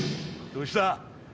どうした？